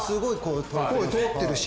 声通ってるし。